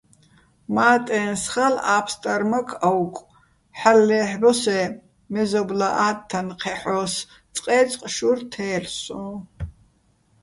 მა́ტეჼ სხალ ა́ფსტარმაქ აუკუ̆, ჰ̦ალო̆ ლე́ჰ̦ბოსე́ მეზობლა́ ა́თთან ჴეჰ̦ო́ს, წყე́წყ შურ თელ'ო̆ სო́ჼ.